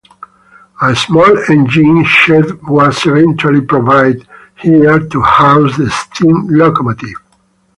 A small engine shed was eventually provided here to house the steam locomotive.